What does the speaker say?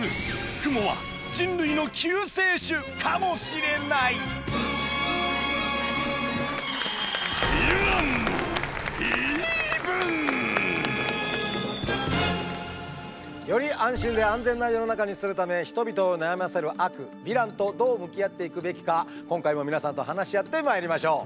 クモは人類の救世主かもしれない！より安心で安全な世の中にするため人々を悩ませる悪ヴィランとどう向き合っていくべきか今回も皆さんと話し合ってまいりましょう。